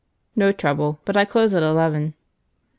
"No trouble. But I close at eleven."